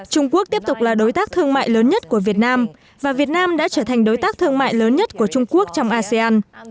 trung quốc tiếp tục là đối tác thương mại lớn nhất của việt nam và việt nam đã trở thành đối tác thương mại lớn nhất của trung quốc trong asean